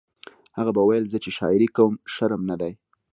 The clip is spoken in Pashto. هغه به ویل زه چې شاعري کوم شرم نه دی